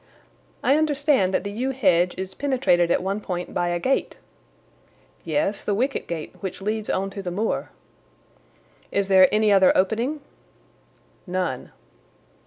"I understand that the yew hedge is penetrated at one point by a gate?" "Yes, the wicket gate which leads on to the moor." "Is there any other opening?" "None."